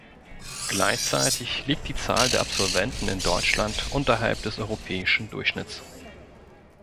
Gleichzeitig liegt die Zahl der Absolventen in Deutschland unterhalb des europäischen Durchschnitts.